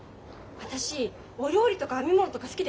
私お料理とか編み物とか好きでしょ？